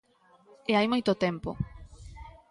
E hai moito tempo.